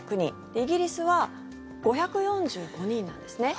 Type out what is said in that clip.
イギリスは５４５人なんですね。